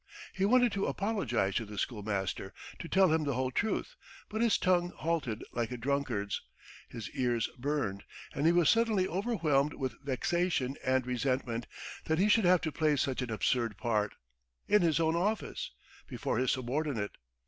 He wanted to apologize to the schoolmaster, to tell him the whole truth, but his tongue halted like a drunkard's, his ears burned, and he was suddenly overwhelmed with vexation and resentment that he should have to play such an absurd part in his own office, before his subordinate.